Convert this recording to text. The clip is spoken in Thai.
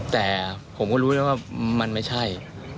แต่ผมก็รู้แล้วว่ามันไม่ใช่